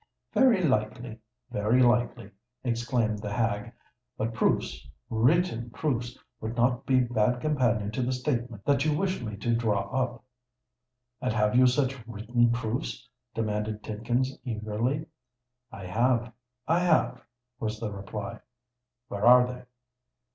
"Very likely—very likely," exclaimed the hag. "But proofs—written proofs—would not be bad companions to the statement that you wish me to draw up." "And have you such written proofs?" demanded Tidkins, eagerly. "I have—I have," was the reply. "Where are they?"